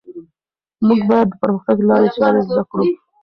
موږ باید د پرمختګ لارې چارې زده کړو.